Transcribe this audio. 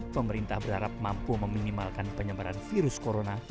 pemerintah berharap mampu meminimalkan penyebaran virus corona